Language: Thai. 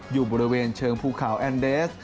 อยู่บริเวณเชิงภูเขาแอนเดส